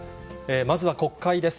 まずは国会です。